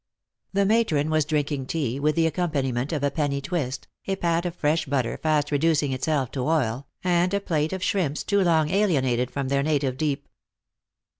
The matron was drinking tea, with the accom. paniment of a penny twist, a pat of fresh butter fast reducing itself to oil, and a plate of shrimps too long alienated from their native deep.